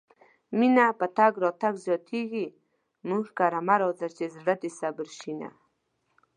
مينه په تګ راتګ زياتيږي مونږ کره مه راځه چې زړه دې صبر شينه